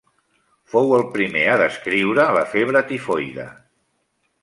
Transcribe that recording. Fou el primer a descriure la febre tifoide.